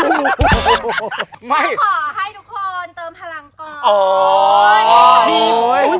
ขอให้ทุกคนเติมพลังก่อน